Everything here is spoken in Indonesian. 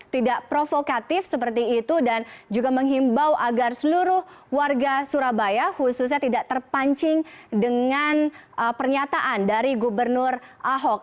tidak provokatif seperti itu dan juga menghimbau agar seluruh warga surabaya khususnya tidak terpancing dengan pernyataan dari gubernur ahok